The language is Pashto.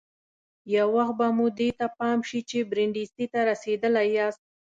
یو وخت به مو دې ته پام شي چې برېنډېسي ته رسېدلي یاست.